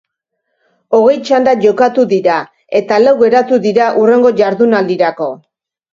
Hogei txanda jokatu dira eta lau geratu dira hurrengo jardunaldirako.